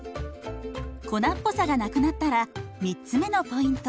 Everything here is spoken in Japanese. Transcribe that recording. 粉っぽさがなくなったら３つ目のポイント。